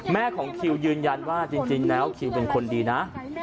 ของคิวยืนยันว่าจริงแล้วคิวเป็นคนดีนะ